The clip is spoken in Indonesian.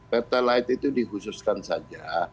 pertalite itu dikhususkan saja